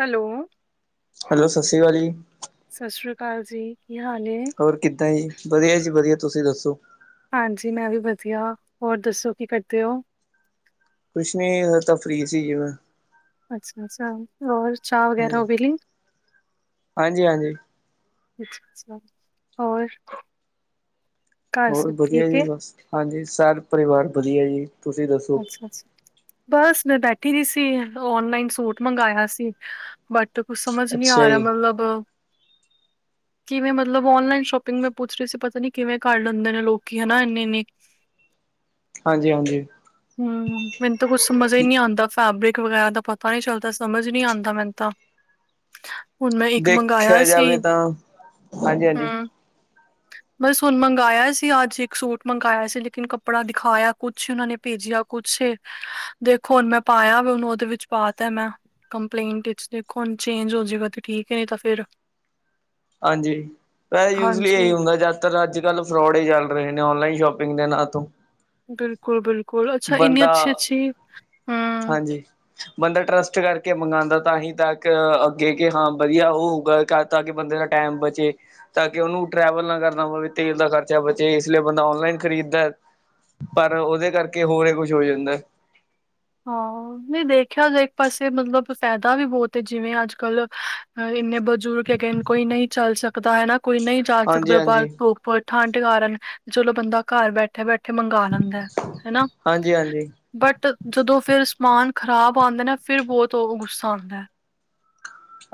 Hello hello ਸਤਿ ਸ਼੍ਰੀ ਅਕਾਲ ਜੀ ਸਤਿ ਸ਼੍ਰੀ ਅਕਾਲ ਜੀ ਕੀ ਹਾਲ ਏ ਹੋਰ ਕਿੱਦਾਂ ਜੀ ਵਧੀਆ ਜੀ ਵਧੀਆ ਤੁਸੀਂ ਦੱਸੋ ਹਾਂਜੀ ਮੈਂ ਵੀ ਵਧੀਆ, ਹੋਰ ਦੱਸੋ ਕੀ ਕਰਦੇ ਹੋ ਕੁਛ ਨੀ, ਹਜੇ ਤਾ ਫ੍ਰੀ ਸੀਗੀ ਬਸ ਅੱਛਾ-ਅੱਛਾ ਹੋਰ ਚਾਹ ਵਗੈਰਾ ਉਹ ਪੀਲੀ? ਹਾਂਜੀ ਹਾਂਜੀ ਹਾਂਜੀ ਅਛਾ ਅੱਛਾ ਹੋਰ? ਘਰ ਹੋਰ ਸਭ ਵਧੀਆ ਠੀਕ ਏ? ਜੀ ਬਸ, ਹਾਂਜੀ ਸਾਰੇ ਪਰਿਵਾਰ ਵਧੀਆ ਜੀ। ਤੁਸੀਂ ਦੱਸੋ ਅੱਛਾ ਅੱਛਾ ਬਸ ਮੈਂ ਬੈਠੀ ਦੀ ਸੀ ਓਨਲਾਈਨ ਸੂਟ ਮੰਗਆ ਸੀ। ਬਟ ਕੁਛ ਸਮਝ ਨਹੀ ਆ ਅੱਛਾ ਰਿਹਾ ਜੀ ਮਤਲਬ। ਕਿਵੇਂ ਮਤਲਬ ਔਨਲਾਈਨ ਸ਼ੋਪਿੰਗ ਮੈਂ ਪੁੱਛ ਰਹੀ ਸੀ ਪਤਾ ਨੀ ਕਿਵੇਂ ਕਰ ਲੈਂਦੇ ਨੇ ਲੋਕੀ ਹੇਨਾ ਇਨੀ ਇਨੀ। ਹਾਂਜੀ ਹਾਂਜੀ। ਹੂ, ਮੈਨੂੰ ਤਾਂ ਕੁੱਛ ਸਮਝ ਹੀ ਨਹੀ ਆਂਦਾ। ਫੈਬਰਿਕ ਵਗੈਰਾ ਦਾ ਪਤਾ ਨੀ ਚੱਲਦਾ, ਸਮਝ ਨਹੀ ਆਂਦਾ ਮੈਨੂੰ ਤਾਂ। ਹੁਣ ਮੈਂ ਇੱਕ ਮੰਗਾਇਆ ਦੇਖਿਆ ਸੀ, ਜਾਵੇ ਤਾਂ ਹਾਂਜੀ ਹਾਂਜੀ ਹੂ। ਬਸ ਹੁਣ ਮੰਗਾਆ ਸੀ ਅੱਜ ਇੱਕ ਸੂਟ ਮੰਗਾਆ ਸੀ ਲੇਕਿਨ ਕੱਪੜਾ ਦਿਖਾਇਆ ਕੁਛ, ਉਹਨਾਂ ਨੇ ਭੇਜਿਆ ਕੁਛ ਸੀ, ਦੇਖੋ ਹੁਣ ਮੈਂ ਪਾਇਆ ਵੀ ਉਹਨੂੰ ਉਹਦੇ ਵਿੱਚ ਪਾ ਤ ਮੈਂ। ਕੰਪਲੇਂਟ ਵਿੱਚ, ਦੇਖੋ ਹੁਣ ਚੇਂਜ ਹੋਜਏਗਾ ਤੇ ਠੀਕ ਏ ਨਹੀਂ ਤਾਂ ਫੇਰ ਹਾਂਜੀ ਵੈਸੇ ਯੂਜਲੀ ਇਹੀ ਹੁੰਦਾ ਜਾਦ ਜਿਆਦਾ ਅੱਜ ਕੱਲ੍ਹ ਫਰੋਡ ਹੀ ਚੱਲ ਰਹੇ ਨੇ, ਔਨਲਾਈਨ ਸ਼ੋਪਿੰਗ ਦੇ ਨਾਂ ਤੋਂ। ਬਿਲਕੁਲ-ਬਿਲਕੁਲ। ਅੱਛਾ ਇੰਨੀ ਬੰਦਾ ਅੱਛੀ-ਅੱਛੀ ਹਾਂਜੀ। ਬੰਦਾ ਟਰੱਸਟ ਕਰਕੇ ਮੰਗਾਦਾ, ਤਾਂਹੀ ਤੱਕ ਅੱਗੇ ਕਿ ਹਾਂ ਵਧੀਆ ਉਹ ਹੋਊਗਾ ਤਾਂ ਕਿ ਬੰਦੇ ਦਾ ਟਾਈਮ ਬਚੇ। ਤਾਂ ਕਿ ਉਹਨੂੰ ਟਰੈਵਲ ਨਾ ਕਰਨਾ ਪਵੇ, ਤੇਲ ਦਾ ਖਰਚਾ ਬਚੇ। ਇਸ ਲਈ ਬੰਦਾ ਔਨਲਾਈਨ ਖਰੀਦਦਾ। ਪਰ ਉਹਦੇ ਕਰਕੇ ਹੋਰ ਏ ਕੁਛ ਹੋ ਜਾਂਦਾ। ਹਾਂ। ਨਹੀਂ ਦੇਖਿਆ ਜਾਏ ਇੱਕ ਪਾਸੇ, ਮਤਲਬ ਫਾਇਦਾ ਵੀ ਬਹੁਤ ਏ ਜਿਵੇਂ ਅੱਜ ਕੱਲ ਅਹ ਇੰਨੇ ਬਜ਼ੁਰਗ ਹੈਗੇ ਕੋਈ ਨਹੀਂ ਚੱਲ ਸਕਦਾ ਹੈਨਾ, ਕੋਈ ਨਹੀਂ ਜਾ ਹਾਂਜੀ ਸਕਦਾ ਹਾਂਜੀ ਬਾਹਰ ਉਪਰ ਠੰਡ ਕਾਰਨ, ਚਲੋ ਬੰਦਾ ਘਰ ਬੈਠੇ-ਬੈਠੇ ਮੰਗਾ ਲੈਂਦਾ। ਹੈਨਾ ਹਾਂਜੀ ਹਾਂਜੀ ਬਟ ਜਦੋਂ ਫਿਰ ਸਮਾਨ ਖ਼ਰਾਬ ਆਂਦਾ ਨਾ, ਫਿਰ ਬਹੁਤ ਉਹ ਗੁੱਸਾ ਆਂਦਾ।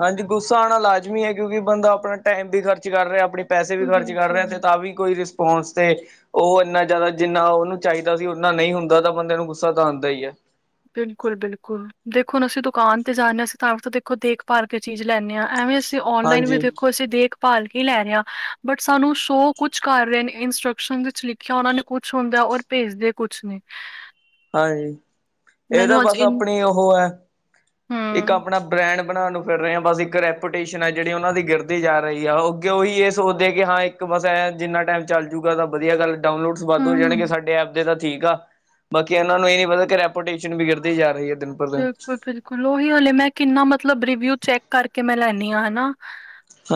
ਹਾਂਜੀ ਗੁੱਸਾ ਆਣਾ ਲਾਜ਼ਮੀ ਹੈ। ਕਿਉਂਕਿ ਬੰਦਾ ਆਪਣਾ ਟਾਈਮ ਵੀ ਖਰਚ ਕਰ ਰਿਹਾ ਆਪਣੀ ਪੈਸੇ ਵੀ ਖਰਚ ਕਰ ਬਿਲਕੁਲ। ਰੇਹਾ, ਤੇ ਤਾਂ ਵੀ ਕੋਈ ਰਿਸਪੋਂਸ ਤੇ ਉਹ ਇੰਨਾ ਜ਼ਿਆਦਾ ਜਿੰਨਾ ਉਹਨੂੰ ਚਾਹੀਦਾ ਸੀ, ਉਨਾ ਨਹੀਂ ਹੁੰਦਾ ਤਾਂ ਬੰਦੇਿਆਂ ਨੂੰ ਗੁੱਸਾ ਤਾਂ ਆਂਦਾ ਈ ਹੈ। ਬਿਲਕੁਲ ਬਿਲਕੁਲ। ਦੇਖੋ ਹੁਣ ਅਸੀ ਦੁਕਾਨ ਤੇ ਜਾਂਦੇ ਹਾਂ ਅਸੀਂ ਤਾਂ ਵੀ ਤੇ ਦੇਖੋ ਦੇਖਭਾਲ ਕੇ ਚੀਜ਼ ਲੈਂਨੇ ਹਾਂ ਐਵੇਂ ਅਸ ਤੇ ਔਨਲਾਈਨ ਵੀ ਹਾਂਜੀ ਦੇਖੋ ਅਸੀਂ ਦੇਖ ਭਾਲ ਕੇ ਲੈ ਰਹੇ ਆਂ ਬਟ ਸਾਨੂੰ ਸ਼ੋਅ ਕੁਛ ਕਰ ਰਹੇ ਨੇ ਇੰਸਟਰਕਸ਼ਨ ਵਿੱਚ ਲਿਖਿਆ ਉਹਨਾਂ ਨੇ ਕੁਛ ਹੁੰਦਾ ਔਰ ਭੇਜਦੇ ਕੁਛ ਨੇ ਹਾਂਜੀ, ਇਹ ਤਾਂ ਮੈਨੂੰ ਅੱਜ ਬਸ ਇਨ ਆਪਣੀ ਉਹ ਹੈ ਇੱਕ ਹੂੰ, ਆਪਣਾ ਬ੍ਰੈਂਡ ਬਨਾਨ ਨੂੰ ਫਿਰ ਰਹੇ ਆ ਬਸ ਇੱਕ ਰੈਪੂਟੇਸ਼ਨ ਹੈ ਜਿਹੜੀ ਉਹਨਾਂ ਦੀ ਗਿਰਦੀ ਜਾ ਰਹੀ ਐ ਉਹ ਕਿ ਉਹੀ ਇਹ ਸੋਚਦੇ ਏ ਕਿ ਹਾਂ ਇੱਕ ਬਸ ਐ ਜਿੰਨਾ ਟਾਈਮ ਚੱਲ ਜੂਗਾ ਤਾਂ ਵਧੀਆ ਗੱਲ ਡਾਊਨਲੋਡਸ ਵੱਧ ਹੋ ਜਾਨਗੇ ਹੂੰ ਸਾਡੇ ਐਪ ਯੇ ਤਾਂ ਠੀਕ ਆ ਬਾਕੀ ਇਹਨਾਂ ਨੂੰ ਇਹ ਨੀ ਪਤਾ ਕਿ ਰੈਪੂਟੇਸ਼ਨ ਵੀ ਗਿਰਦੀ ਜਾ ਰਹੀ ਏ ਦਿਨ ਪਰ ਦਿਨ ਬਿਲਕੁਲ ਬਿਲਕੁਲ ਉਹੀ ਹਲੇ ਮੈਂ ਕਿੰਨਾ ਮਤਲਬ ਰਿਵਿਊ ਚੈੱਕ ਕਰਕੇ ਮੈਂ ਲੈਨੀ ਹਾਂ ਹੈਨਾ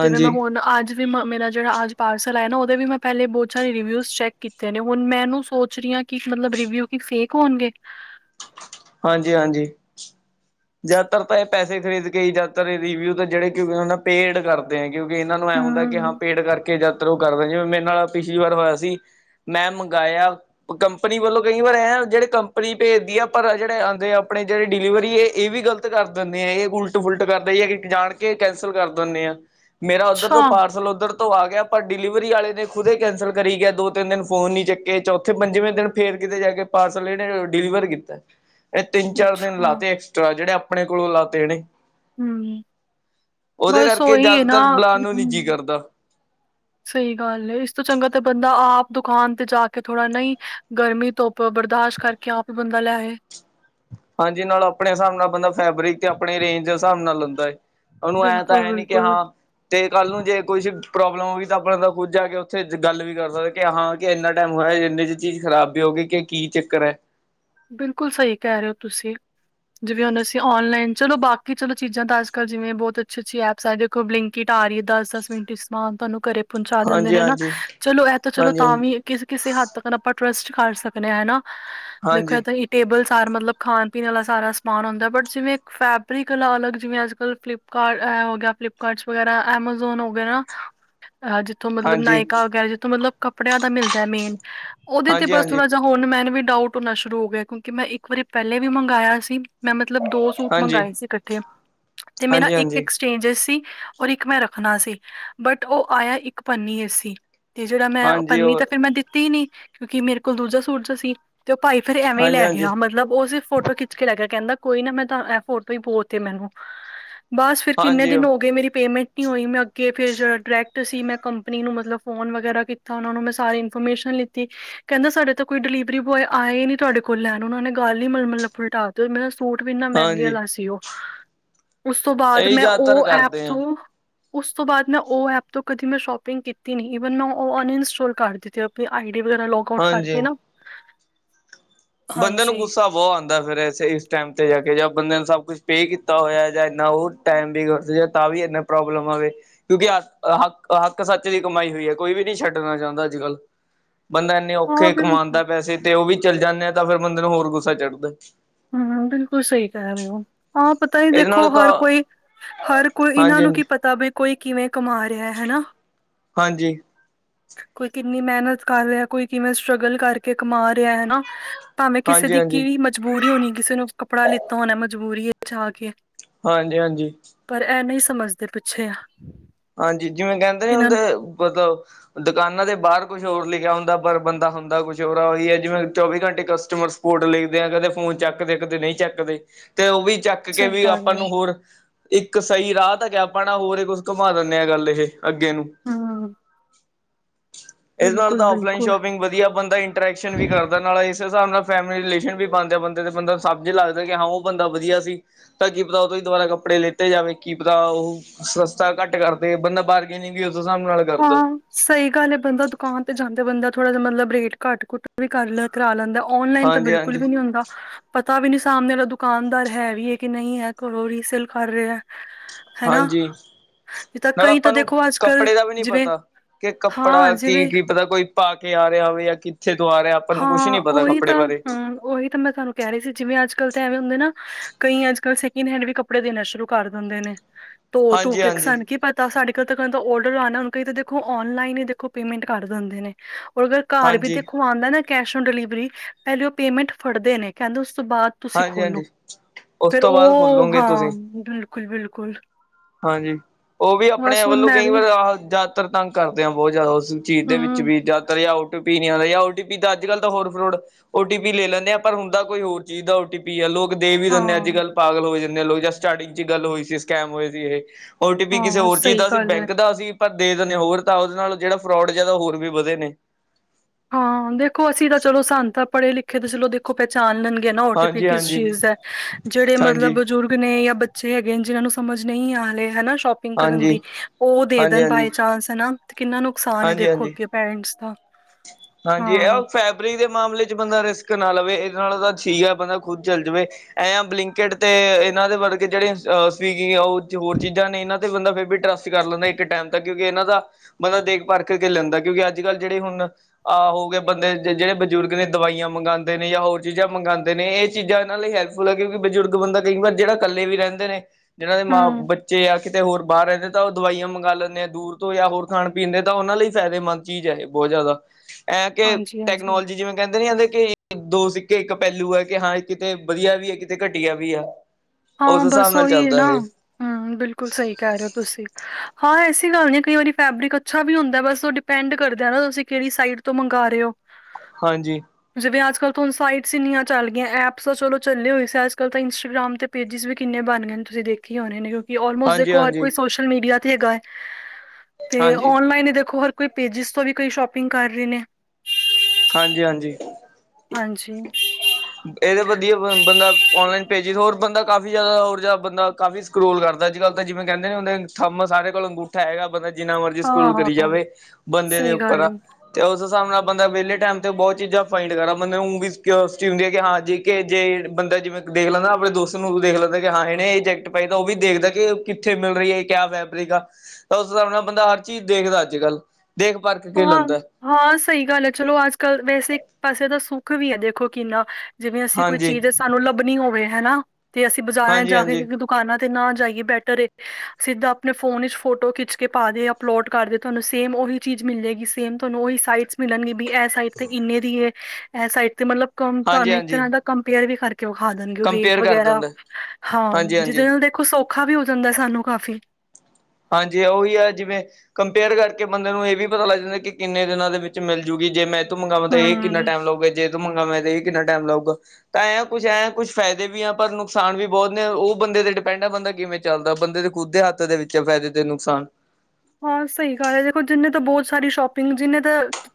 ਜਦੋ ਮੈਂ ਹੁਨ ਅੱਜ ਬੀ ਮੇਰਾ ਜਿਹੜਾ ਅੱਜ ਪਾਰਸਲ ਆਯਾ ਨਾ ਉਹਦੇ ਵੀ ਮੈਂ ਪਹਿਲੇ ਬਹੁਤ ਸਾਰੇ ਰਿਵਿਊਜ਼ ਚੈਕ ਕੀਤੇ ਨੇ ਹੁਨ ਮੈਂਨੂੰ ਸੋਚ ਰਹੀ ਹਾਂ ਕਿ ਕੀ ਮਤਲਬ ਰਿਵਿਊ ਕੀ ਫੇਕ ਹੋਨਗੇ ਹਾਂਜੀ, ਹਾਂਜੀ ਜਿਆਦਾਤਰ ਤਾਂ ਇਹ ਪੈਸੇ ਖ਼ਰੀਦ ਕੇ ਜਿਆਦਾਤਰ ਇਹ ਰਿਵਿਊ ਤਾ ਜਿਹੜੇ ਕਿਉਂਕਿ ਉਹ ਪੇੜ ਕਰ ਦੇ ਕਿਉਂਕਿ ਇਹਨਾਂ ਨੂੰ ਐਂ ਹੁੰਦਾ ਕਿ ਹਾਂ ਹੂੰ। ਪੇਡ ਕਰਕੇ ਯਾਤਰੂ ਕਰਦੇ ਜਿਵੇਂ ਮੇਰੇ ਨਾਲ ਪਿਛਲੀ ਵਾਰ ਹੋਇਆ ਸੀ ਮੈਂ ਮੰਗਆਇਆ ਕੰਪਨੀ ਵੱਲੋਂ ਕਈ ਵਾਰ ਐਂ ਜਿਹੜੇ ਕੰਪਨੀ ਭੇਜਦੀ ਆ ਪਰ ਜਿਹੜੇ ਆਉਂਦੇ ਆ ਆਪਣੇ ਜਿਹੜੇ ਡਿਲੀਵਰੀ ਏ ਇਹ ਵੀ ਗ਼ਲਤ ਕਰ ਦਿੰਦੇ ਏ ਇਹ ਉਲਟ ਫੁਲਟ ਕਰਦੇ ਜਾਂ ਜਾਣ ਕੇ ਕੈਂਸਲ ਕਰ ਦਿੰਨੇ ਆ ਮੇਰਾ ਉੱਧਰ ਤੋਂ ਅੱਛਾ, ਪਾਰਸਲ ਉੱਧਰ ਤੋਂ ਆ ਗਿਆ ਪਰ ਡਿਲੀਵਰੀ ਆਲੇ ਨੇ ਖੁਦੇ ਕੈਂਸਲ ਕਰੀ ਗਿਆ ਦੋ ਤਿੰਨ ਦਿਨ ਫੋਨ ਨੀ ਚੱਕੇ ਚੌਥੇ ਪੰਜਵੇਂ ਦਿਨ ਫੇਰ ਕਿਤੇ ਜਾ ਕੇ ਪਾਰਸਲ ਇਹਨੇ ਡਿਲੀਵਰ ਕੀਤਾ ਇਹ ਤਿੰਨ-ਚਾਰ ਅੱਛਾ ਦਿਨ ਲਾਤੇ ਐਕਸਟਰਾ ਜਿਹੜੇ ਆਪਨੇ ਕੋਲੋਂ ਲਾਤੇ ਇਨੇ ਹੰ ਬਸ ਕਰਕੇ ਉਹੀ ਹੈ ਨਾ ਜ਼ਿਆਦਾਤਰ ਬੁਲਾਉਣ ਨੂੰ ਨੀ ਹੰ ਜੀਅ ਕਰਦਾ ਸਹੀ ਗੱਲ ਏ ਇਸ ਤੋਂ ਚੰਗਾ ਤਾਂ ਬੰਦਾ ਆਪ ਦੁਕਾਨ ਤੇ ਜਾ ਕੇ ਥੋੜਾ ਨਹੀ ਗਰਮੀ ਧੋਪ ਬਰਦਾਸ਼ਤ ਕਰਕੇ ਆਪ ਈ ਬੰਦਾ ਲੈ ਆਏ ਹਾਂਜੀ ਨਾਲ ਆਪਣੇ ਹਿਸਾਬ ਨਾਲ ਬੰਦਾ ਫੈਬਰਿਕ ਤੇ ਆਪਣੇ ਰੇਂਜ ਦੇ ਹਿਸਾਬ ਨਾਲ ਲੈਂਦਾ ਏ ਉਹਨੂੰ ਐਂ ਤਾਂ ਬਿਲਕੁਲ, ਹੈ ਨੀ ਕਿ ਬਿਲਕੁਲ, ਹਾਂ ਤੇ ਕੱਲ ਨੂੰ ਜੇ ਕੂਛ ਪ੍ਰੋਬਲਮ ਹੋ ਗਈ ਤਾਂ ਆਪਾਂ ਤਾਂ ਖੁੱਦ ਜਾ ਕੇ ਉੱਥੇ ਗੱਲ ਵੀ ਕਰ ਸਕਦੇ ਕਿ ਹਾਂ ਕਿ ਏਨਾ ਟਾਈਮ ਹੋਇਆ ਇੰਨੇ ਚ ਚੀਜ਼ ਖ਼ਰਾਬ ਵੀ ਹੋ ਗਈ ਕਿ ਕੀ ਚੱਕਰ ਹੈ ਬਿਲਕੁਲ ਸਹੀ ਕਹਿ ਰਹੇ ਔ ਤੁਸੀਂ ਜਿਵੇਂ ਹੁਨ ਅਸੀਂ ਔਨਲਾਈਨ ਚਲੋ ਬਾਕੀ ਚਲੋ ਚੀਜ਼ਾਂ ਤਾਂ ਅੱਜ, ਕੱਲ੍ਹ ਜਿਵੇਂ ਬਹੁਤ ਅੱਛੀ, ਅੱਛੀ ਐਪਸ ਐ ਦੇਖੋ ਬਲਿੰਕਟ ਆ ਰਹੀ ਹੈ ਦਸ ਦਸ ਮਿੰਟ ਇਚ ਸਮਾਨ ਤੁਹਾਨੂੰ ਘਰੇ ਪਹੁੰਚਾ ਦਿੰਦੇ ਹਾਂਜੀ ਨੇ ਨਾ ਹਾਂਜੀ ਚਲੋ ਇਹ ਤਾਂ ਚਲੋ ਹਾਂਜੀ ਤਾਂ ਵੀ ਕਿਸੇ, ਕਿਸੇ ਹੱਦ ਤੱਕ ਨਾ ਆਪਾਂ ਟਰਸਟ ਵੀ ਕਰ ਸਕਨੇ ਹਾਂ ਹੈਨਾ ਦੇਖੋ ਹਾਂਜੀ ਇਏਦਾਂ ਟੇਬਲ ਸਾਰ ਮਤਲਬ ਖਾਣ ਪੀਣ ਵਾਲਾ ਸਾਰਾ ਸਮਾਨ ਹੁੰਦਾ ਬਟ ਜਿਵੇਂ ਇੱਕ ਫੈਬਰਿਕ ਆਲਾ ਅਲੱਗ ਜਿਵੇਂ ਅੱਜ ਕੱਲ੍ਹ ਫਲਿੱਪ ਕਰ ਇਹ ਹੋ ਗਿਆ ਫਲਿਪਕਾਰਟ ਵਗੈਰਾ ਐਮਾਜੋਨ ਹੋਗਿਆ ਨਾ ਅਜ ਜਿਥੋਂ ਮਤਲਬ ਹਾਂਜੀ ਨਾਇਕਾ ਵਗੈਰਾ ਜਿੱਥੋਂ ਮਤਲਬ ਕੱਪੜਿਆਂ ਦਾ ਮਿਲਦਾ ਹੈ ਮੇਨ ਉਹਦੇ ਤੇ ਹਾਂਜੀ ਬਸ ਹਾਂਜੀ ਥੋੜਾ ਜਿਹਾ ਹੁਨ ਮੈਨੂੰ ਵੀ ਡਾਊਟ ਹੋਨਾ ਸ਼ੁਰੂ ਹੋ ਗਿਆ। ਕਿਉਂਕਿ ਮੈਂ ਇੱਕ ਵਾਰੀ ਪਹਿਲੇ ਵੀ ਮੰਗਾਆ ਸੀ। ਮੈਂ ਮਤਲਬ ਦੋ ਸੂਟ ਹਾਂਜੀ ਮੰਗਾਏ ਸੀ ਇਕੱਠੇ ਤੇ ਹਾਂਜੀ ਮੇਰਾ ਇੱਕ, ਇਕ ਹਾਂਜੀ ਚੇਂਜਿਸ ਸੀ ਔਰ ਇੱਕ ਮੈਂ ਰੱਖਣਾ ਸੀ ਬਟ ਉਹ ਆਇਆ ਇੱਕ ਪੰਨੀਏ ਸੀ ਤੇ ਜਿਹੜਾ ਮੈਂ ਉਹ ਪੰਨ੍ਹੀ ਤਾ ਫਿਰ ਮੈਂ ਦਿੱਤੀ ਈ ਨਹੀਂ ਕਿਉਂਕਿ ਮੇਰੇ ਕੋਲ ਦੂਜਾ ਸੂਟ ਜੋ ਸੀ ਤੇ ਉਹ ਭਾਈ ਫਿਰ ਐਵੇਂ ਹਾਂਜੀ ਲੈ ਹਾਂਜੀ ਗਿਆ ਮਤਲਬ ਉਸ ਫੋਟੋ ਖਿ ਕੇ ਲਹਿ ਗਿਆ ਕਹਿੰਦਾ ਕੋਈ ਨਾ ਮੈਂ ਤਾ ਇਹ ਫੋਟੋ ਹੀ ਪੋ ਤੇ ਮੈਨੂੰ ਬਸ ਫਿਰ ਕਿੰਨੇ ਹਾਂਜੀ ਦਿਨ ਉਹ ਔ ਗਏ ਮੇਰੀ ਪੇਮੈਂਟ ਕੀ ਹੋਈ ਮੈਂ ਅੱਗੇ ਫੇਰ ਜਿਹੜਾ ਡਾਇਰੈਕਟ ਸੀ ਮੈਂ ਕੰਪਨੀ ਨੂੰ ਮਤਲਬ ਫੋਨ ਵਗੈਰਾ ਕੀਤਾ ਉਹਨਾਂ ਨੂੰ ਮੈਂ ਸਾਰੇ ਫਰਮੇਸ਼ਨ ਲਿਤੀ ਕਹਿੰਦਾ ਸਾਡੇ ਤਾਂ ਕੋਈ ਡਿਲੀਵਰੀ ਬਏ ਆਏ ਨੀ ਤੁਹਾਡੇ ਕੋਲ ਲੈਣ ਉਹਨਾਂ ਨੇ ਗੱਲ ਹੀ ਮਲ ਮਲੱਪਲਟਾ ਤੇ ਮੇਰਾ ਸੂਟ ਵੀ ਇੰਨੇ ਮਹਿੰਗੇ ਹਾਂਜੀ ਆਲਾ ਸੀ ਉਹ ਉਸ ਤੋਂ ਬਾਅਦ ਇਹੀ ਮੈਂ ਜ਼ਿਆਦਾਤਰ ਉਹ ਐਪ ਕਰਦੇ ਆ। ਤੋਂ। ਉਸ ਤੋਂ ਬਾਅਦ ਮੈਂ ਉਹ ਐਪ ਤੋਂ ਕਦੀ ਮੈਂ ਸ਼ੋਪਿੰਗ ਕੀਤੀ ਨੀ ਇਵਨ ਮੈਂ ਉਹ ਅਨਇੰਸਟੋਲ ਕਰ ਦਿੱਤੈ। ਤੇ ਆਈ ਡੀ ਵਗੈਰਾ ਲੋਕ ਔਟ ਹਾਂਜੀ। ਕਰਕੇ ਨਾ। ਬੰਦੇ ਨੂੰ ਹਾਂਜੀ। ਗੁੱਸਾ। ਬੳ ਆਉਂਦਾ ਫਿਰੇ ਏਸੇ ਇਸ ਟਾਈਮ ਤੇ ਜਾ ਕੇ ਜਾਂ ਬੰਦੇ ਨੇ ਸਭ ਕੁਛ ਪੇ ਕੀਤਾ ਹੋਇਆ ਜਾਂ ਇੰਨਾ ਉਹ। ਟਾਈਮ ਵੀ ਕਰ ਤਾਂ ਵੀ ਇੰਨਾ ਪ੍ਰੋਬਲਮ ਆਵੇ। ਕਿਉਂਕਿ ਹਕ, ਹੱਕ, ਹੱਕ ਸੱਚ ਦੀ ਕਮਾਈ ਹੋਈ ਹੈ ਕੋਈ ਵੀ ਨਹੀਂ ਛੱਡਣਾ ਚਾਹੁੰਦਾ ਅੱਜ ਕੱਲ੍ਹ ਬੰਦਾ। ਏਨੇ ਹਾਂ ਔਖੇ ਬਿਲਕੁਲ, ਕਮਾਉਂਦਾ ਪੈਸੇ ਤੇ ਉਹ ਵੀ ਚੱਲ ਜਾਂਦੇ ਆ ਤਾਂ ਫਿਰ ਬੰਦੇ ਨੂੰ ਹੋਰ ਗੁੱਸਾ ਚੜਦਾ। ਹਮ ਬਿਲਕੁਲ ਸਹੀ ਕਹਿ ਹੇ ਹੋ। ਹਾਂ ਪਤਾ ਹੀ ਇਹਦੇ ਦੇਖੋ ਨਾਲ ਤਾਂ ਹਰ ਕੋਈ ਹਰ ਕੋਈ ਇਹਨਾਂ ਹਾਂਜੀ ਨੂੰ ਕੀ ਪਤਾ ਬ। ਕੋਈ ਕਿਵੇਂ ਕਮਾ ਰਿਹਾ ਹੈਨਾ। ਹਾਂਜੀ। ਕੋਈ ਕਿੰਨੀ ਮੈਹਨਤ ਕਰ ਰਿਹਾ ਕੋਈ ਕਿਵੇਂ ਸਟਰ੍ਰਗਲ ਕਰਕੇ ਕਮਾ ਰਿਹਾ ਹੈਨਾ। ਭਾਵੇਂ ਕਿਸੇ ਹਾਂਜੀ ਦੀ ਹਾਂਜੀ ਕਿਹੜੀ ਮਜਬੂਰੀ ਹੋਣੀ ਕਿਸੇ ਨੂੰ ਕੱਪੜਾ ਲਿੱਤਾ ਹੋਣਾ ਮਜਬੂਰੀ ਵਿੱਚ ਆ ਕੇ। ਹਾਂਜੀ, ਹਾਂਜੀ। ਪਰ ਐ ਨਹੀਂ ਸਮਝਦੇ ਪਿੱਛੇ ਆ। ਹਾਂਜੀ ਜਿਵੇਂ ਕਹਿੰਦੇ ਨੇ ਹੁੰਦੇ ਮਤਲਬ। ਦੁਕਾਨਾਂ ਦੇ ਬਾਹਰ ਕੁਛ ਹੋਰ ਲਿਖਿਆ ਹੁੰਦਾ ਪਰ ਬੰਦਾ ਹੁੰਦਾ ਕੁਛ ਹੋਰ ਆ ਉਹੀ ਹੈ ਜਿਵੇਂ ਚੌਵੀ ਘੰਟੇ ਕਸਟਮਰਸ। ਲਿਖਦੇ ਆ ਕਦੇ ਫੋਨ ਚੱਕਦੇ ਕਦੇ ਨਹੀਂ ਚੱਕਦੇ ਤੇ ਉਹ ਵੀ ਚੱਕ। ਕੇ ਸਹੀ ਵੀ ਆਪਾਂ ਗੱਲ ਏ। ਨੂੰ ਹੋਰ ਇੱਕ ਸਹੀ ਰਾਹ ਤਾਂ ਕਿ ਆਪਾਂ ਨਾ ਹੋਰ ਇਹ ਕੁਛ ਘੁੰਮਾ ਦਿੰਦੇ ਹਾਂ ਗੱਲ ਇਹ। ਅੱਗੇ ਨੂੰ ਹਾਂ, ਇਸ ਨਾਲ ਤਾਂ ਔਫਲਾਈਨ ਬਿਲਕੁਲ-ਬਿਲਕੁਲ। ਸ਼ੋਪਿੰਗ ਵਧੀਆ ਬੰਦਾ। ਕਰੈਕਸ਼ਨ ਵੀ ਕਰਦਾ ਨਾਲ ਇਸ ਹਿਸਾਬ ਨਾਲ ਫੈਮਲੀ ਰਿਲੇਸ਼ਨ ਵੀ ਬਣਦੇ ਬੰਦੇ ਬੰਦਾ ਨੂੰ ਸਮਝ ਲੱਗਦਾ ਕਿ ਹਾਂ ਉਹ ਬੰਦਾ ਵਧੀਆ ਸੀ। ਤਾਂ ਕੀ ਪਤਾ ਉਹ ਤੋਂ ਹੀ ਦੁਬਾਰਾ ਕੱਪੜੇ ਲਿਤੇ ਜਾਵੇ ਕੀ ਪਤਾ ਉਹ। ਸਾ ਘੱਟ ਕਰਦੇ ਬੰਦਾ ਬਾਰਗੇਨਿੰਗ ਵੀ ਉਸ ਹਿਸਾਬ ਨਾਲ। ਕਰਦਾ ਹਾਂ ਸਹੀ ਗਲ ਏ ਬੰਦਾ ਦੁਕਾਨ ਤੇ ਜਾਂਦਾ ਬੰਦਾ ਥੋੜਾ ਜਿਹਾ ਮਤਲਬ ਰੇਟ ਘੱਟ ਘੁੱਟ ਵੀ ਕਰ ਲੈਂਦਾ। ਕਰਾ ਲੈਂਦਾ ਔਨਲਾਈਨ ਤਾਂ ਹਾਂਜੀ ਬਿਲਕੁਲ ਹਾਂਜੀ ਵੀ ਨੀ ਹੁੰਦਾ। ਪਤਾ ਵੀ ਨੀ ਸਾਮਣੇ ਵੇ ਦੁਕਾਨਦਾਰ ਹੈ ਵੀ ਏ ਕਿ ਨਹੀਂ ਹੈ ਕੋਈ ਹੋਰ ਹੀ ਸੇਲ ਕਰ ਰਿਹੈ। ਹੈਨਾ ਹਾਂਜੀ ਨਾਲ ਕਈ ਆਪਾਂ ਤਾਂ ਨੂੰ ਦੇਖੋ ਅੱਜ ਕੱਲ। ਕੱਪੜੇ ਦਾ ਵੀ ਨਹੀ ਪਤਾ ਕਿ ਕੱਪੜਾ ਕੀ ਕੀ ਪਤਾ ਕੋਈ ਪਾ ਕੇ ਆ ਰਿਹਾ ਹੋਵੇ ਜਾਂ। ਇੱਥੇ ਤੋਂ ਆ ਰਿਹਾ ਆਪਾਂ ਨੂੰ ਕੁਛ ਨੀ ਹਾਂ, ਪਤਾ ਉਹੀ ਕੱਪੜੇ ਤਾਂ ਬਾਰੇ। ਹੂੰ, ਉਹੀ ਤਾਂ ਮੈਂ ਤੁਹਾਨੂੰ। ਕਹਿ ਰਹੇ ਸੀ ਜਿਵੇਂ ਅੱਜ ਕੱਲ ਤਾਂ ਐਵੇਂ ਹੁੰਦੇ ਨਾ ਕਈ ਅੱਜ ਕੱਲ ਸੈਕਿੰਡ ਹੈਂਡ ਵੀ ਕੱਪੜੇ ਦੇਣਾ ਸ਼ੁਰੂ ਕਰ ਦਿੰਦੇ ਨੇ। ਧੋ ਧੂ ਹਾਂਜੀ ਕੇ ਹਾਂਜੀ ਸਾਨੁੰ ਕੀ ਪਤਾ। ਤਾਂ ਸਾਡੇ ਕੋਲ ਤਾਂ ਕਹਿੰਦਾ ਔਡਰ ਆਨਾ ਹੁੰਦਾ ਕਈ ਤੇ ਦੇਖੋ ਔਨਲਾਈਨ ਹੀੋ ਦੇਖੋ ਪੇਮੈਂਟ ਕਰ ਦਿੰਦੇ ਨੇ। ਅਗਰ ਘਰ ਵੀ ਹਾਂਜੀ ਦੇਖੋ ਆਉਂਦਾ ਨਾ ਕੈਸ਼ ਔਨ ਡਿਲੀਵਰੀ ਪਹਿਲੇ ਉਹ ਪੇਮੈਂਟ ਫੜਦੇ ਨੇ ਕਹਿੰਦੇ ਉਸ ਤੋਂ ਬਾਅਦ। ਤੁਸੀਂ ਹਾਂਜੀ ਖੋਲੋ ਹਾਂਜੀ ਉਸ ਫੇਰ ਤੋਂ ਬਾਅਦ ਉਹ ਖੋਲੋਗੇ ਹਾਂ ਤੁਸੀਂ ਬਿਲਕੁਲ -ਬਿਲਕੁਲ। ਹਾਂਜੀ। ਉਹ ਵੀ ਆਪਣੇ ਬਸ ਹੁਣ ਵੱਲੋਂ ਮੈਂ ਕਈ ਵੀ ਵਾਰ ਆਹ ਜ਼ਿਆਦਾਤਰ ਤੰਗ ਕਰਦੇ ਆਾਂ ਬਹੁਤ ਜ਼ਿਆਦਾ ਉਸ ਚੀਜ਼ ਦੇ ਵਿੱਚ ਹਮ ਵੀ। ਜਾਂ ਓਟੀ ਪੀ ਆਂਦਾ ਜਾਂ ਓ ਟੀ ਪੀ ਤਾਂ ਅੱਜ ਕੱਲ ਤਾਂ ਹੋਰ ਫਰੋੜ। ਓ ਟੀ ਪੀ ਲੇ ਲੈਂਨੇ ਆ ਪਰ ਹੁੰਦਾ ਕੋਈ ਹੋਰ ਚੀਜ਼ ਦਾ ਓ ਟੀ ਪੀ। ਵੀ ਆ ਲੋਕ ਦੇ ਵੀ ਦਿੰਦੇ ਆ ਅੱਜ ਹਾਂ ਕੱਲ ਪਾਗਲ ਹੋ ਜਾਂਦੇ ਆ ਲੋਕ ਜ ਸਟਾਰਟਿੰਗ ਚ ਗੱਲ ਹੋਈ ਸੀ ਸਕੈਮ ਹੋਏ ਸੀ ਇਹ। ਓ ਟੀ ਪੀ ਕਿਸੇ ਹਾਂ ਹੋਰ ਚੀਜ਼ ਸਹੀ ਦਾ ਸੀ ਗੱਲ ਹੈ ਬੈਂਕ ਦਾ ਸੀ। ਆਪਾਂ ਦੇ ਦਿੰਨੇ ਹੋਰ ਤਾਂ ਉਹਦੇ ਨਾਲ ਜਿਹੜਾ ਫਰੋਡ ਜਦਾ ਹੋਰ ਵੀ ਵਧੇ ਨੇ। ਹਾਂ ਦੇਖੋ ਅਸੀਂ ਤਾਂ ਚਲੋ ਸਾਨੁੰ ਤਾਂ ਪੜ੍ਹੇ ਲਿਖੇ ਤੇ ਚਲੋ। ਪਹਿਚਾਣ ਲੈਣਗੇ ਨਾ ਓ ਟੀ ਪੀ ਹਾਂਜੀ ਕਿਸ ਹਾਂਜੀ ਚੀਜ਼ ਦੈ ਜੇੜੇ ਮਤਲਬ ਹਾਂਜੀ ਬਜ਼ੁਰਗ। ਨੇ ਜਾਂ ਬੱਚੇ ਹੈਗੇ ਨੇ ਜਿਹਨਾਂ ਨੂੰ ਸਮਝ ਨਹੀਂ ਆਾਲੇ ਹਨਾ ਸ਼ੋਪ ਕਰਨ ਹਾਂਜੀ ਹਾਂਜੀ ਦੀ ਉਹ ਦੇ ਹਾਂਜੀ ਦੇਣ ਬਏ ਚਾਂਸ ਹਨਾ ਕਿੰਨਾ ਨੁਕਸਾਨ ਹੈ ਹਾਂਜੀ ਦੇਖੋ ਹਾਂਜੀ ਅੱਗੇ ਪੇਰੈਂਟਸ ਦਾ ਹਾਂਜੀ ਹਾਂ ਇਹ ਫੈਬਰਿਕ ਦੇ ਮਾਮਲੇ ਚ ਬੰਦਾ ਰਿਸਕ ਨਾ ਲਵੇ ਇਹਦੇ ਨਾਲ ਤਾਂ ਠੀਕ ਹੈ ਬੰਦਾ ਖੁਦ ਚੱਲ ਜਾਵੇ। ਐ ਬਲਿੰਕਟ ਤੇ ਇਹਨਾਂ ਦੇ ਵਰਗੇ ਜਿਹੜੇ ਸਵੀਗੀ ਹੋਰ ਚੀਜ਼ਾਂ ਨੇ ਇਹਨਾਂ ਤੇ ਬੰਦਾ ਫੇ ਕਰ ਲੈਂਦਾ ਇੱਕ ਟਾਈਮ ਤ ਕਿਉਂਕਿ ਇਹਨਾਂ ਦਾ ਬੰਦਾ ਦੇਖਭਾਲ ਕਰਕੇ ਲੈਂਦਾ ਕਿਉਂਕਿ ਅੱਜ ਕੱਲ੍ਹ ਜਿਹੜੇ ਹੁਣ ਆਹ ਹੋ ਗ ਬੰਦੇ ਜਿਹੜੇ ਬਜ਼ੁਰਗ ਨੇ ਦਵਾਈਆਂ ਮੰਗਉਦੇ ਨੇ ਜਾਂ ਹੋਰ ਚੀਜ਼ਾਂ ਮੰਗਉਦੇ ਨੇ ਇਹ ਚੀਜ਼ਾਂ ਇਹਨਾਂ ਲਈ ਹੈਲਪ ਫੁਲਾ ਕਿਉਂਕਿ ਬਜ਼ੁਰਗ ਬੰਦਾ ਕਈ ਵਾਰ ਜਿਹੜਾ ਇਕੱਲੇ ਵੀ ਰਹਿੰਦੇ ਨੇ ਜਿਹਨਾਂ ਦੇ ਮ ਹੂੰ ਬੱਚੇ ਆ ਕਿਤੇ ਹੋਰ ਬਾਹਰ ਰਹਿੰਦੇ ਤਾਂ ਉਹ ਦਵਾਈਆਂ ਮੰਗਵਾ ਲੈਂਦੇ ਆ ਦੂਰ ਤੋਂ ਜਾਂ ਹੋਰ ਖਾਣ ਪੀਣ ਦੇ ਤਾਂ ਉਹਨਾਂ ਲਈ ਫਾਇਦੇਮੰਦ ਚੀਜ਼ ਹੈ ਇਹ ਬਹੁਤ ਜ਼ਿਆਦਾ ਕਿ ਹਾਂਜੀ-ਹਾਂਜੀ ਟੈਕਨੋਲੋਜੀ ਜਿਵੇਂ ਕਹਿੰਦੇ ਨੀ ਕਿੰਦੇ ਕਿ ਦੋ ਸਿੱਕੇ ਇੱਕ ਪਹਿਲੂ ਹੈ ਕਿ ਹਾਂ ਕਿਤੇ ਵਧੀਆ ਵੀ ਹੈ ਕਿਤੇ ਘਟੀਆ ਵੀ ਆ ਉਸ ਹਾਂ ਹਿਸਾਬ ਬਸ ਨਾਲ ਉਹੀ ਚੱਲਦਾ ਨਾ ਇਹ ਹਮ ਬਿਲਕੁਲ ਸਹੀ ਕਹਿ ਰਹੇ ਹੋ ਤੁਸੀਂ। ਹਾਂ ਐਸੀ ਗੱਲ ਨਹੀਂ ਕਈ ਵਾਰੀ ਫੈਬਰਿਕ ਅੱਛਾ ਵੀ ਹੁੰਦਾ ਬਸ ਉਹ ਡਿਪੈਂਡ ਕਰਦੇ ਨਾ ਤੁਸੀਂ ਕਿਹੜੀ ਸਾਈਡ ਤੋਂ ਮੰਗਵਾ ਰਹੇ ਹੋ। ਹਾਂ। ਹਾਂਜੀ। ਜਿਵੇਂ ਅੱਜ ਕੱਲ ਤਾਂ ਹੁਣ ਸਾਈਟਸ ਹੀੰਨੀਆਂ ਚੱਲ ਗਈਆਂ ਐਪਸ ਤਾਂ ਚਲੋ ਚੱਲੇ ਹੋਏ ਸੀ ਅਜ ਕੱਲਲ ਤਾਂ ਇੰਸਾਗ੍ਰਾਮ ਤੇ ਪੇਜਿਸ ਵੀ ਕਿੰਨੇ ਬਣ ਗਏ ਤੁਸੀਂਖ ਹੀ ਹੋਣੇ ਨੇ ਕਿਂਕਿ ਆਲਮੋਸਟ ਹਾਂਜੀ ਹਾਂਜੀ ਦੇਖੋ ਹਰ ਕੋਈਲ ਲ ਮੀਡੀਆ ਤੇ ਹੈਗਾ ਹੈ ਤੇ ਹਾਂਜੀ ਨਲਾਈਨ ਦੇਖੋ ਹਰ ਕੋਈ ਪੇਜਿਸ ਤੋਂ ਵੀ ਕਈ ਸ਼ੋਪਿੰਗ ਕਰ ਰਹੇ ਨੇ ਹਾਂਜੀ ਹਾਂਜੀ। ਹਾਂਜੀ। ਇਹਦੇ ਵਧੀਆ ਬੰਦਾ ਔਨਲਾਈਨ ਭੇਜੇ ਹੋਰ ਬੰਦਾ ਕਾਫੀ ਜ਼ਿਆਦਾ ਹੋਰ ਜਦਾ ਬੰਦਾ ਕਾਫੀ ਸਕਰੋਲ ਕਰਦਾ, ਅੱਜ ਕੱਲ ਤਾਂ ਜਿਵੇਂ ਕਹਿੰਦੇ ਨੇ ਹੁੰਦੇ ਥਮ ਸਾਰੇ ਕੋਲ ਅੰਗੂਠਾ ਹੈਗਾ। ਬੰਦਾ ਜਿੰਨਾ ਮਰਜ਼ੀ ਸਕਰੋਲ ਕਰੀ ਹਾਂ-ਹਾਂ ਜਾਵੇ, ਬੰਦੇ ਦੇ ਸਹੀ ਉੱਪਰ ਗੱਲ ਆ। ਏ। ਤੇ ਉਸ ਹਿਸਾਬ ਨਾਲ ਬੰਦਾ ਵਿਹਲੇ ਟਾਈਮ ਤੇ ਬਹੁਤ ਚੀਜ਼ਾਂ ਫਾਈੰਡ ਕਰਾ। ਬੰਦਾ ਮੂਵੀਜ਼ ਕਯੋਸ ਹੁੰਦੀ ਹੈ ਕਿ ਹਾਂ ਜੀ, ਕਿ ਜੇ ਬੰਦਾ ਜਿਵੇਂ ਦੇਖ ਲੈਂਦਾ ਆਪਣੇ ਦੋਸਤ ਨੂੰ ਦੇਖ ਲਵੇ, ਕਿ ਹਾਂ ਇਹੇ ਇਹ ਜੈਕਟ ਇਹ ਤਾਂ ਉਹ ਵੀ ਦੇਖਦਾ ਕਿ, ਕਿੱਥੇ ਮਿਲ ਰਹੀ ਹੈ ਕਿਆ ਫੈਬਰਿਕ ਆ। ਉਸ ਹਿਸਾਬ ਨਾਲ ਬੰਦਾ ਹਰ ਚੀਜ਼ ਦੇਖਦਾ ਅੱਜ ਕੱਲ੍ਹ, ਦੇਖ ਪਰਖ ਕੇ ਹਾਂ ਲੈਂਂਦਾ। ਹਾਂ ਸਹੀ ਗੱਲ ਹੈ, ਚਲੋ ਅੱਜ ਕੱਲ ਵੈਸੇ ਇਕ ਪਾਸੇ ਦਾ ਸੁੱਖ ਵੀ ਹੈ ਦੇਖੋ ਕਿੰਨਾ। ਜਿਵੇਂ ਅਸੀਂ ਕੋਈ ਹਾਂਜੀ ਚੀਜ਼, ਸਾਨੂੰ ਲੱਭਣੀ ਹੋਵੇ ਹੈਨਾ ਤੇ ਅਸੀਂ ਬਾਜ਼ਾਰਾਂ ਹਾਂਜੀ ਜਾ ਕੇ ਇੱਕ ਹਾਂਜੀ ਦੋ ਦੁਕਾਨਾਂ ਤੇ ਨਾ ਜਾਈਏ ਬੈਟਰ ਏ, ਸਿੱਧਾ ਆਪਣੇ ਫੋਨ ਵਿਚ ਫੋਟੋ ਖਿੱਚ ਕੇ ਪਾ ਦੇ ਅਪਲੋਡ ਕਰਦੇ ਤੁਹਾਨੂੰ ਸੇਮ ਉਹੀ ਚੀਜ਼ ਮਿਲਲੇਗੀ, ਸੇਮ ਤੁਹਾਨੂੰ ਉਹੀ ਸਾਈਟਸ ਮਿਲਣਗੀ ਵੀ ਇਹ ਸਾਈਡ ਤੇ ਇੰਨੇ ਦੀ ਹੈ, ਇਹ ਸਾਈਡ ਤੇ ਮਤਲਬ ਅਮ, ਹਾਂਜੀ ਤੁਹਾਨੂੰ ਇੱਕ ਹਾਂਜੀ ਤਰ੍ਹਾਂ ਦਾ ਕੰਪੇਅਰ ਵੀ ਕਰਕੇ ਵਿਖਾ ਦੇਣਗੇ, ਉਹ ਰੇਟ ਕੰਪੇਅਰ ਕਰ ਵਗੈਰਾ, ਦਿੰਦਾ ਹਾਂ ਹਾਂਜੀ-ਹਾਂਜੀ, ਜਿਹਦੇ ਹਾਂਜੀ ਨਾਲ ਦੇ ਸੌਖਾ ਵੀ ਹੋ ਜਾਂਦਾ ਹੈ ਸਾਨੂੰ ਕਾਫੀ। ਹਾਂਜੀ, ਉਹੀ ਹੈ ਜਿਵੇਂ ਕੰਪੇਅਰ ਕਰਕੇ ਬੰਦੇ ਨੂੰ ਇਹ ਵੀ ਪਤਾ ਲੱਗ ਜਾਂਦਾ ਕਿ ਕਿੰਨੇ ਦਿਨਾਂ ਦੇ ਵਿੱਚ ਮਿਲਜੂਗੀ। ਜੇ ਮੈਂ ਇਹਤੋਂ ਮੰਗਾਂਵਾ ਤੇ ਇਹ ਕਿੰਨਾ ਹਮ ਟਾਈਮ ਲਊਗਾ ਜੇ ਇਹਤੋਂ ਮੰਗਾਂਵਾ ਤੇ ਇਹ ਕਿੰਨਾ ਟਾਈਮ ਲਊਗਾ। ਤਾਂ ਐਂ ਕੁਛ ਐਂ ਕੁਛ ਫਾਇਦੇ ਵੀ ਆ, ਪਰ ਨੁਕਸਾਨ ਵੀ ਬਹੁਤ ਨੇ। ਉਹ ਬੰਦੇ ਤੇ ਡਿਪੈਂਡ ਆ ਬੰਦਾ ਕਿਵੇਂ ਚੱਲਦਾ ਬੰਦੇ ਦੇ ਖੁਦ ਦੇ ਹੱਥ ਦੇ ਵਿੱਚ ਹੈ, ਫਾਇਦੇ ਤੇ ਨੁਕਸਾਨ। ਹਾਂ ਸਹੀ ਗੱਲ ਹੈ, ਦੇਖੋ ਜਿੰਨੇ ਤਾਂ ਬਹੁਤ ਸਾਰੀ ਸ਼ੋਪਿੰਗ, ਜਿੰਨੇ ਤਾਂ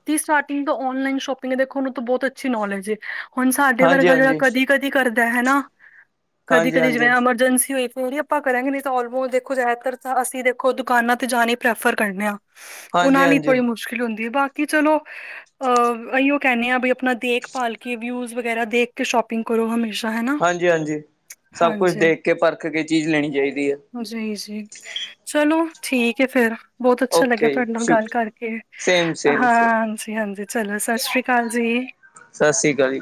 ਜੇ ਸਟਾਰਟਿੰਗ ਤੋਂ ਔਨਲਾਈਨ ਸ਼ੋਪਿੰਗ ਹੈ, ਦੇਖੋ ਨੂੰ ਤਾਂ ਬਹੁਤ ਅੱਛੀ ਨੌਲੇਜ ਹੈ। ਹੁਣ ਸਾਡੇ ਵਰਗਾ ਜਿਹੜਾ ਹਾਂਜੀ-ਹਾਂਜੀ, ਕਦੀ ਕਦੀ ਕਰਦਾ ਹੈਨਾ, ਕਦੀ ਕਦੀ ਜਿਵੇਂ ਹਾਂਜੀ-ਹਾਂਜੀ, ਐਮਰਜੈਂਸੀ ਹੋਈ ਫਿਰ ਹੀ ਆਪਾਂ ਕਰਾਂਗੇ ਨਹੀਂ, ਆਲਮੋਸਟ ਦੇਖੋ ਜ਼ਿਆਦਾਤਰ ਤਾਂ ਅਸੀਂ ਦੇਖੋ ਦੁਕਾਨਾਂ ਤੇ ਜਾਣ ਹੀ ਪ੍ਰੈਫਰ ਕਰਨੇ ਆਂ। ਉਹਨਾਂ ਲਈ ਹਾਂਜੀ-ਹਾਂਜੀ, ਕੋਈ ਮੁਸ਼ਕਿਲ ਹੁੰਦੀ ਹੈ, ਬਾਕੀ ਚਲੋ ਅਹ ਯੂ ਕਹਿੰਦੇ ਆ ਵੀ ਆਪਣਾ ਦੇਖਭਾਲ ਕੇ, ਵਿਊਜ ਵਗੈਰਾ ਦੇਖ ਕੇ ਸ਼ੋਪਿੰਗ ਕਰੋ ਹਮੇਸ਼ਾ ਹੈਨਾ। ਹਾਂਜੀ-ਹਾਂਜੀ। ਸਭ ਕੁਛ ਦੇਖ ਕੇ, ਪਰਖ ਕੇ, ਚੀਜ਼ ਲੈਣੀ ਚਾਹੀਦੀ ਹੈ। ਜੀ, ਜੀ। ਚਲੋ ਠੀਕ ਹੈ ਫੇਿਰ, ਬਹੁਤ ਅੱਛਾ ਲੱਗਿਆ ਓਕੇ ਜੀ ਤੁਹਾਡੇ ਨਾਲ ਸ਼ੁਕ ਗੱਲ ਕਰਕੇ। ਹਾਂ ਸੇਮ-ਸੇਮ-ਸੇਮ ਹਾਂਜੀ-ਹਾਂਜੀ, ਚਲੋ ਸਤਿ ਸ੍ਰੀ ਅਕਾਲ ਜੀ। ਸਤਿ ਸ੍ਰੀ ਅਕਾਲ ਜੀ।